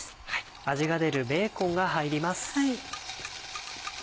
味が出るベーコンが入ります。